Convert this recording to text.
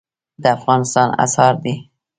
د افغانستان اسعار څه دي؟